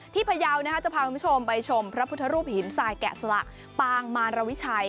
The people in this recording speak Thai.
พยาวจะพาคุณผู้ชมไปชมพระพุทธรูปหินทรายแกะสลักปางมารวิชัย